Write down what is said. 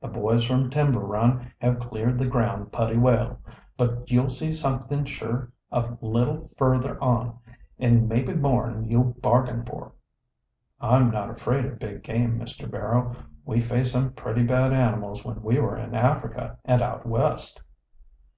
"The boys from Timber Run have cleared the ground putty well. But you'll see something sure a little further on and maybe more'n you bargain for." "I'm not afraid of big game, Mr. Barrow. We faced some pretty bad animals when we were in Africa and out West."